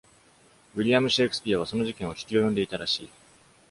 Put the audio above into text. ウィリアムシェークスピアはその事件を聞き及んでいたらしい。